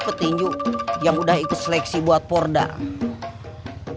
petinju yang udah ikut seleksi buat porda gagal itu hanya nasibnya aja jelek si johnny dia